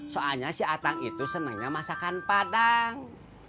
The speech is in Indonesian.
soalnya si atang itu senangnya masakan padang